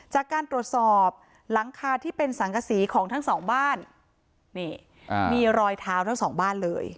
จากการตรวจสอบหลังคาที่เป็นสังกษีของทั้งสองบ้านนี่มีรอยเท้าทั้งสองบ้านเลย